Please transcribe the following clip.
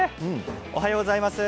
おはようございます。